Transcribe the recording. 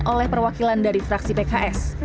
oleh perwakilan dari fraksi pks